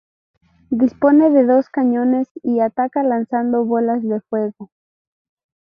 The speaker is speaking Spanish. Dispone de dos cañones y ataca lanzando bolas de fuego.